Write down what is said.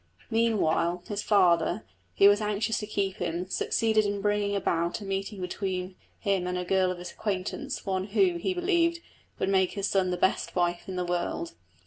Meanwhile, his father, who was anxious to keep him, succeeded in bringing about a meeting between him and a girl of his acquaintance, one who, he believed, would make his son the best wife in the world.